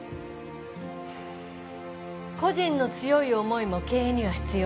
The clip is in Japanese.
個人の強い思いも経営には必要です